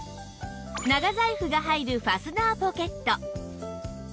長財布が入るファスナーポケット